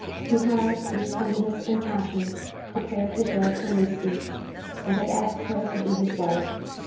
He had, with tenderness and passion, declared his love for Lucy; and had asked her to be his wife.